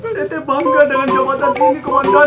seteh bangga dengan jawaban ini komandan